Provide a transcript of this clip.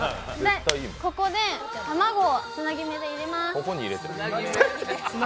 ここで卵をつなぎ目で入れます。